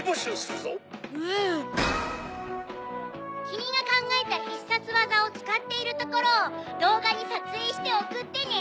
「キミが考えた必殺技を使っているところを動画に撮影して送ってね」